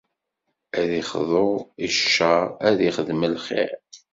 Ad ixḍu i ccer, ad ixdem lxir.